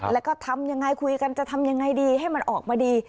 แล้วก็ทำยังไงคุยกันจะทำยังไงดีให้มันออกมาดี